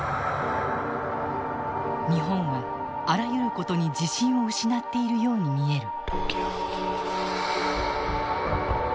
日本はあらゆることに自信を失っているように見える。